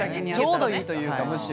ちょうどいいというかむしろ。